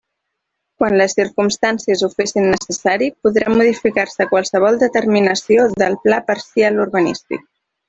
Quan les circumstàncies ho fessin necessari podrà modificar-se qualsevol determinació del Pla Parcial Urbanístic.